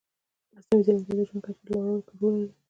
مصنوعي ځیرکتیا د ژوند کیفیت لوړولو کې رول لري.